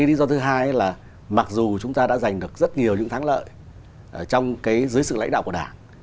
lý do thứ hai là mặc dù chúng ta đã giành được rất nhiều những thắng lợi dưới sự lãnh đạo của đảng